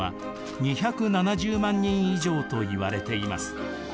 ２７０万人以上といわれています。